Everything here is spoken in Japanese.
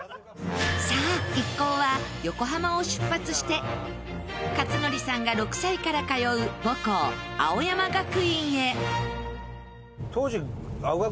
さあ一行は横浜を出発して克典さんが６歳から通う母校青山学院へ。